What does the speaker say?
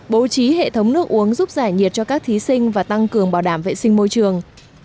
bố trí hệ thống nước uống giúp giải nhiệt cho các thí sinh và tăng cường bảo đảm vệ sinh môi trường